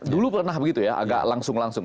dulu pernah begitu ya agak langsung langsung